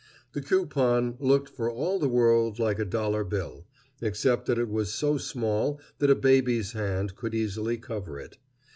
The coupon looked for all the world like a dollar bill, except that it was so small that a baby's hand could easily cover it.